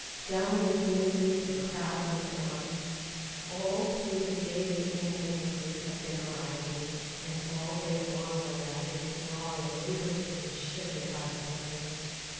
Dumb with misery the crowd looked on. All through the day the ambulances had been arriving, and all day long the ragged throng whimpered and shivered by the barriers.